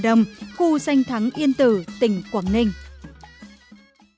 năm nay tại khu du lịch tâm linh sinh thái tây yên tử của tỉnh bắc giang đã có hệ thống cáp treo kết nối với chùa